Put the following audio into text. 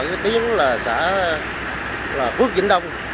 cái tiếng là xã phước vĩnh đông